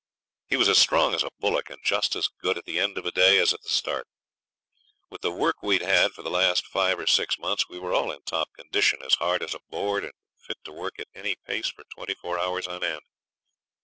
He was as strong as a bullock, and just as good at the end of a day as at the start. With the work we'd had for the last five or six months we were all in top condition, as hard as a board and fit to work at any pace for twenty four hours on end.